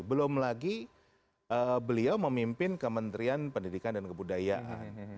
belum lagi beliau memimpin kementerian pendidikan dan kebudayaan